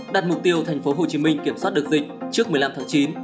đặt mục tiêu thành phố hồ chí minh kiểm soát được dịch trước một mươi năm tháng chín